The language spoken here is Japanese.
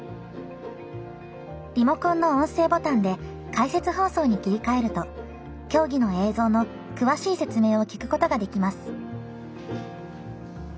リモコンの音声ボタンで解説放送に切り替えると競技の映像の詳しい説明を聞くことができます。